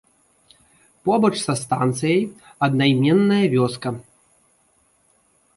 Побач са станцыяй аднайменная вёска.